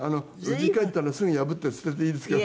家に帰ったらすぐ破って捨てていいですから。